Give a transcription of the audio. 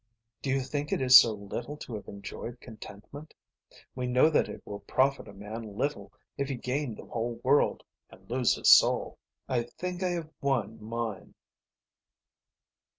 Do you think it is so little to have enjoyed contentment? We know that it will profit a man little if he gain the whole world and lose his soul. I think I have won mine."